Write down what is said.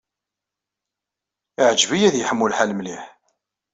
Iɛǧeb-iyi ad yeḥmu lḥal mliḥ.